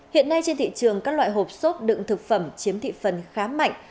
hiện nay trên thị trường các loại hộp sốt đựng thực phẩm chiếm thị phần khá mạnh